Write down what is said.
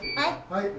はい。